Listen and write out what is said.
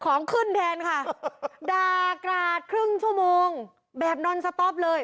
ของขึ้นแทนค่ะดากราดครึ่งชั่วโมงแบบเลย